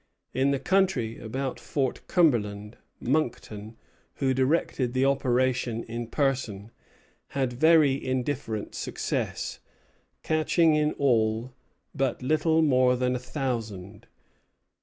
In the country about Fort Cumberland, Monckton, who directed the operation in person, had very indifferent success, catching in all but little more than a thousand.